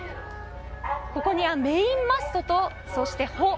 ここにはメインマストとそして帆。